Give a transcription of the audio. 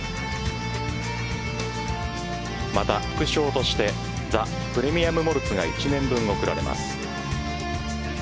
また、副賞としてザ・プレミアム・モルツが１年分贈られます。